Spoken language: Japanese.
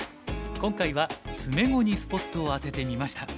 今回は詰碁にスポットを当ててみました。